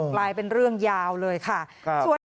กลายเป็นเรื่องยาวเลยค่ะ